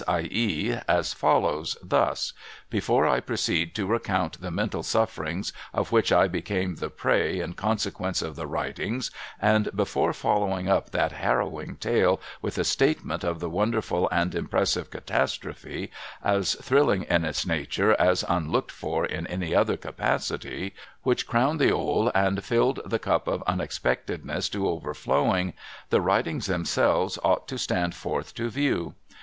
i.e., as follows, thus :— Before I proceed to recount the mental sufferings of which I became the prey in con sequence of the writings, and before following up that harrowing tale with a statement of the wonderful and impressive catastrophe, as thrilling in its nature as unlooked for in any other capacity, which crowned the ole and filled the cup of unexpectedness to overflowing, the writings themselves ought to stand forth to view.